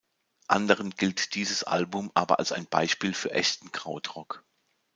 Anderen gilt dieses Album aber als ein Beispiel für echten Krautrock.